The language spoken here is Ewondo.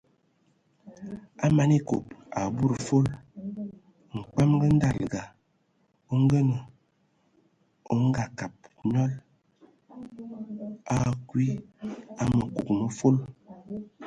A man ekob a budi fol, mkpamag ndaləga o ngənə angəngab nyɔl,o akwi a məkug mə fol.